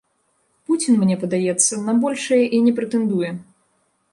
Пуцін, мне падаецца, на большае і не прэтэндуе.